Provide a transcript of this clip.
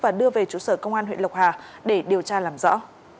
và đưa về trụ sở công an huyện lộc hà để điều tra làm rõ